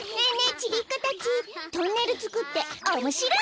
ちびっこたちトンネルつくっておもしろイ？